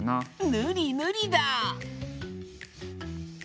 ぬりぬりだ！